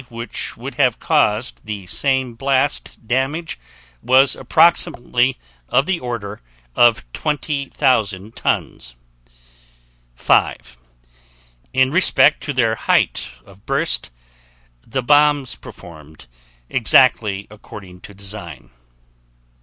which would have caused the same blast damage was approximately of the order of 20,000 tons. 5. In respect to their height of burst, the bombs performed exactly according to design.